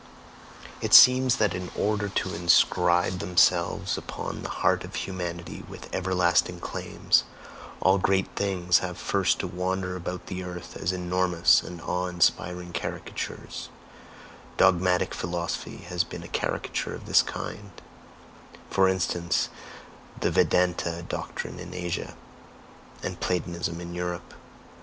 It seems that in order to inscribe themselves upon the heart of humanity with everlasting claims, all great things have first to wander about the earth as enormous and awe inspiring caricatures: dogmatic philosophy has been a caricature of this kind for instance, the Vedanta doctrine in Asia, and Platonism in Europe.